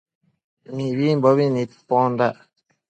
Mibimbobi nicpondac